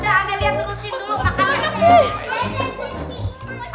udah amelian terusin dulu makannya